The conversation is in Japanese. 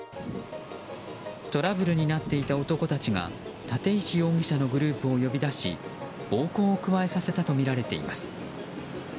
トラブルになっていた男たちが立石容疑者のグループを呼び出し暴行を加えさせたとみられています。